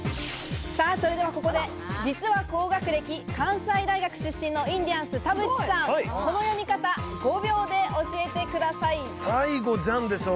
ここで実は高学歴、関西大学出身のインディアンス・田渕さん、この読み方、５秒で教えてください。